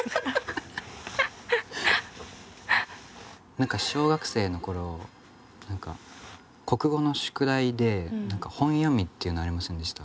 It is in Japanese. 何か小学生の頃国語の宿題で本読みっていうのありませんでした？